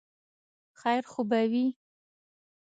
خیر خو به وي ؟